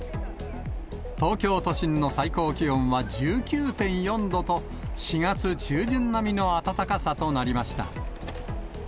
東京都心の最高気温は１９．４度と、４月中旬並みの暖かさとなりました。